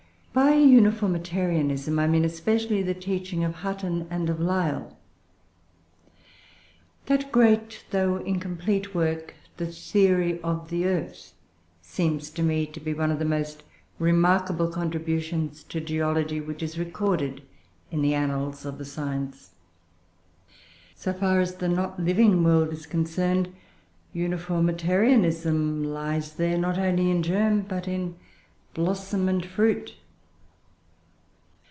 By UNIFORMITARIANISM, I mean especially, the teaching of Hutton and of Lyell. That great though incomplete work, "The Theory of the Earth," seems to me to be one of the most remarkable contributions to geology which is recorded in the annals of the science. So far as the not living world is concerned, uniformitarianism lies there, not only in germ, but in blossom and fruit.